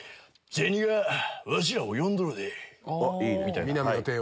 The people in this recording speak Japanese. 銭がワシらを呼んどるで。